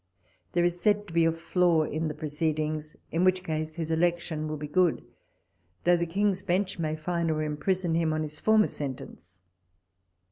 There is said to be a flaw in the proceedings, in which case his election will be good, though the King's Bench may fine or imprison him on his former sentence.